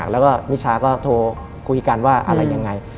แล้วก็มิชาก็โทรคุยกันว่าอะไรยังไง